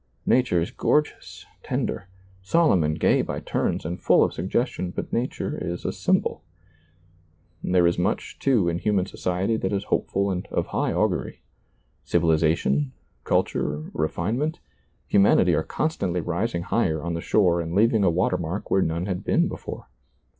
Nature is gor geous, tender, solemn and gay by turns, and full of suggestion, but nature is a symbol. There is ^oiizccbv Google SEEING DARKLY 19 much, too, in human society that is hopeful and of high augury. Civilization, culture, refinement, humanity are constantly rising higher on the shore and leaving a watermark where none had been before.